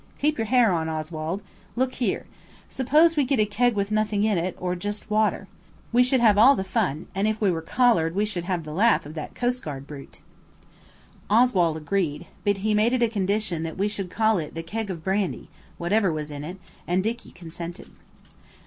Keep your hair on, Oswald. Look here. Suppose we get a keg with nothing in it–or just water. We should have all the fun, and if we were collared we should have the laugh of that coastguard brute." Oswald agreed, but he made it a condition that we should call it the keg of brandy, whatever was in it, and Dicky consented.